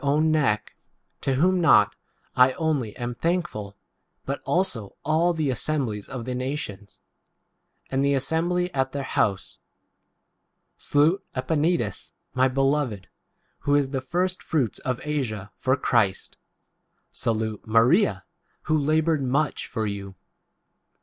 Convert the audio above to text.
own neck : to whom not I only am thankful, but also all the assem 6 blies of the nations,) and the assembly at their house. Salute Epaenetus, my beloved, who is [the] first fruits of Asia 11 for Christ. 6 Salute Maria, who laboured much 7 for you.